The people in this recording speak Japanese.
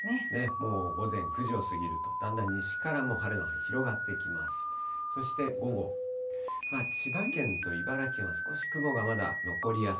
もう午前９時を過ぎると、だんだん西から、もう晴れの範囲広がってきます。